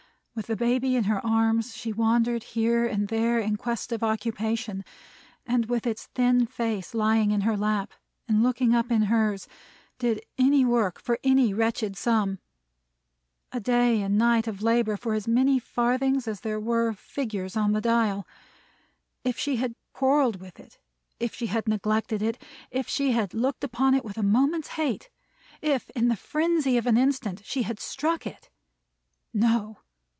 With the baby in her arms, she wandered here and there in quest of occupation; and with its thin face lying in her lap, and looking up in hers, did any work for any wretched sum: a day and night of labor for as many farthings as there were figures on the dial. If she had quarreled with it; if she had neglected it; if she had looked upon it with a moment's hate! if, in the frenzy of an instant, she had struck it! No!